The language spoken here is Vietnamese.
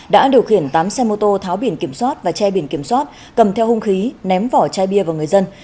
đã điều khiển tám xe mô tô tháo biển kiểm soát và che biển kiểm soát cầm theo hung khí ném vỏ chai bia vào người dân